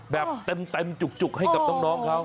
แต่เต็มจุกให้กับต้องน้องเค้า